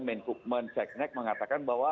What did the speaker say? menkukmen ceknek mengatakan bahwa